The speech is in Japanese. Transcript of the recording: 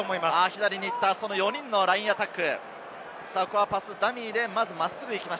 左に行った、その４人のラインアタック。